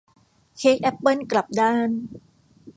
เค้กแอปเปิ้ลกลับด้าน